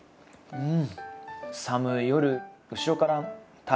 うん？